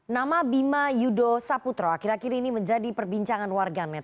nama bima yudo saputro akhir akhir ini menjadi perbincangan warganet